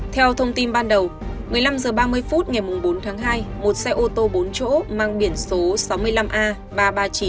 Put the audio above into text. theo thông tin ban đầu một mươi năm h ba mươi phút ngày bốn tháng hai một xe ô tô bốn chỗ mang biển số sáu mươi năm a ba trăm ba mươi chín